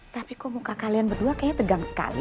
tapi kok muka kalian berdua kayaknya tegang sekali